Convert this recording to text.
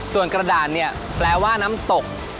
ส่วนกระดาษเนี่ยแปลว่าน้ำตก